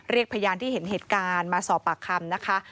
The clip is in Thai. เรียกพยานที่เห็นเหตุการณ์มาสอบปากคำ